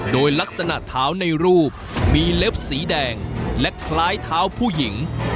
โดยลักษณะเท้าในรูปมีเล็บสีแดงและคล้ายเท้าผู้หญิง